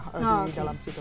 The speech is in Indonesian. di dalam situ